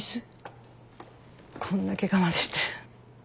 こんなケガまでして。